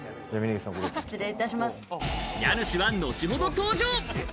家主は後ほど登場。